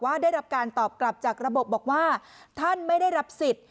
ได้รับการตอบกลับจากระบบบอกว่าท่านไม่ได้รับสิทธิ์